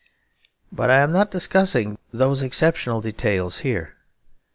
But I am not discussing those exceptional details here.